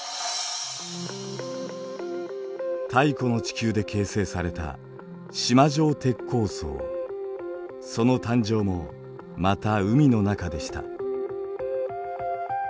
太古の地球で形成されたその誕生もまた海の中でした。